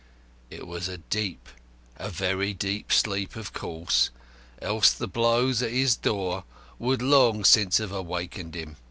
It was a deep, a very deep sleep, of course, else the blows at his door would long since have awakened him.